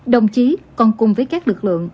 đồng chí còn cùng với các lực lượng